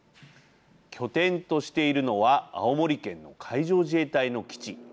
拠点としているのは青森県の海上自衛隊の基地。